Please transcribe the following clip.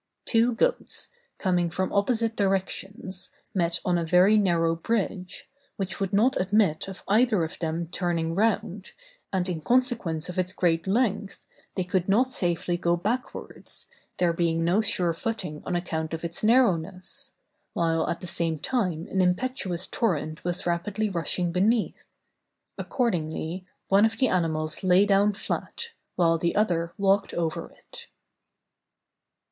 Two goats, coming from opposite directions, met on a very narrow bridge, which would not admit of either of them turning round, and in consequence of its great length, they could not safely go backwards, there being no sure footing on account of its narrowness, while at the same time an impetuous torrent was rapidly rushing beneath; accordingly, one of the animals lay down flat, while the other walked over it.